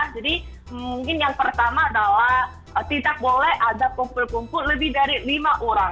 jadi mungkin yang pertama adalah tidak boleh ada kumpul kumpul lebih dari lima orang